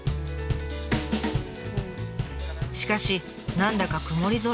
しかし何だか曇り空。